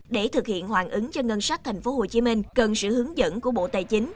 để thực hiện hoàn ứng cho ngân sách tp hcm cần sự hướng dẫn của bộ tài chính